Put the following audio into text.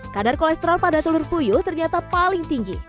kadar kolesterol pada telur puyuh ternyata paling tinggi